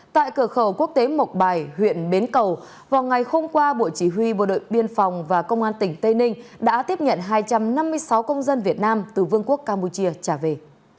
tại cửa khẩu quốc tế mộc bài huyện bến cầu vào ngày hôm qua bộ chỉ huy bộ đội biên phòng và công an tỉnh tây ninh đã tiếp nhận hai trăm năm mươi sáu công dân việt nam từ vương quốc campuchia trả về